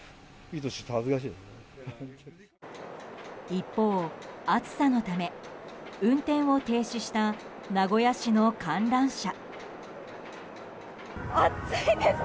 一方、暑さのため運転を停止した名古屋市の観覧車。